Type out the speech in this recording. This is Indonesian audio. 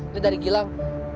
nih dari gilang